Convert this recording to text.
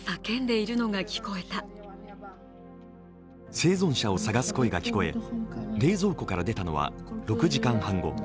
生存者を探す声が聞こえ冷蔵庫から出たのは６時間半後。